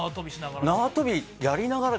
縄跳びしながら。